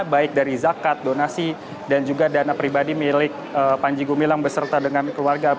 baik dari zakat donasi dan juga dana pribadi milik panji gumilang beserta dengan keluarga